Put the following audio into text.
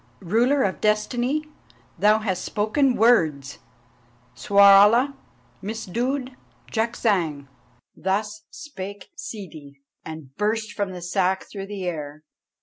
"Ruler of Destiny, thou hast spoken words! Ssarwala missdood jakzang!" Thus spake Ssidi, and burst from the sack through the air.